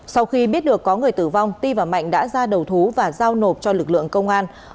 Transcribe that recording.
sau khi biết được có người tử vong ti và mạnh đã ra đầu thú và giao nộp cho lực lượng công an